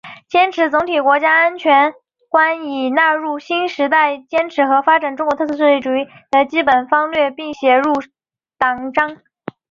坚持总体国家安全观已纳入新时代坚持和发展中国特色社会主义的基本方略并写入党章